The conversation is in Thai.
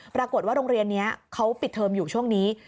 ปรากฏว่าโรงเรียนนี้เขาปิดเทอมอยู่ช่วงนี้